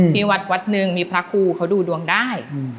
มีวัดนึงมีพระครูเค้าดูดวงได้